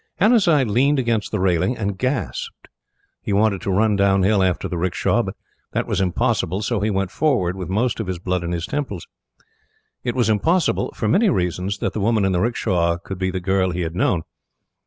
Hannasyde leaned against the railing and gasped. He wanted to run downhill after the 'rickshaw, but that was impossible; so he went forward with most of his blood in his temples. It was impossible, for many reasons, that the woman in the 'rickshaw could be the girl he had known.